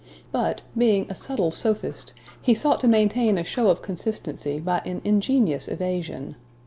But, being a subtle sophist, he sought to maintain a show of consistency by an ingenious evasion.